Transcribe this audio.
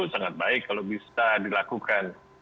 sangat baik kalau bisa dilakukan